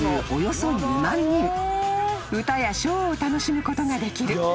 ［歌やショーを楽しむことができる］